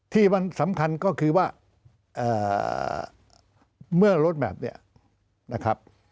ที่สำคัญก็คือว่าเมื่อโรจแหมพ